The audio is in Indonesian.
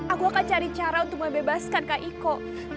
aku akan cari cara untuk membebaskan kak iko